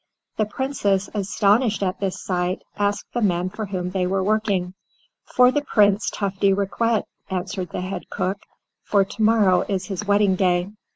The Princess, astonished at this sight, asked the men for whom they were working. "For the Prince Tufty Riquet," answered the head cook, "for to morrow is his wedding day."